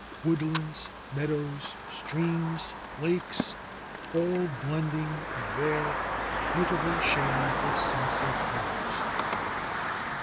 Woodlands, meadows, streams, lakes, all blending in rare and beauti ful shades of sunset hues.